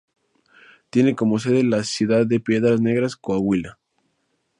Tiene como sede la ciudad de Piedras Negras Coahuila.